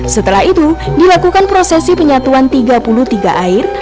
setelah itu dilakukan prosesi penyatuan tiga puluh tiga air